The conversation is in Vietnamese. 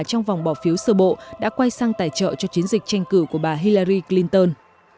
trong vòng bỏ phiếu sơ bộ đã quay sang tài trợ cho chiến dịch tranh cử của bà hillari clinton